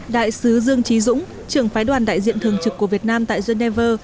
đại sứ dương trí dũng trưởng phái đoàn đại diện thường trực của việt nam tại geneva